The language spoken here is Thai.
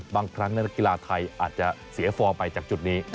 บางครั้งนักกีฬาไทยอาจจะเสียฟอร์มไปจากจุดนี้